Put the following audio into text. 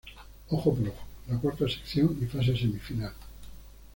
Ojo por ojo: La cuarta sección y fase semifinal.